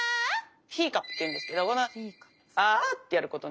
ヒーカップっていうんですけどあァってやることをね